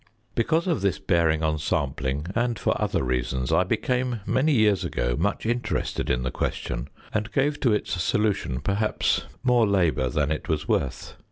Because of this bearing on sampling and for other reasons, I became many years ago much interested in the question, and gave to its solution perhaps more labour than it was worth.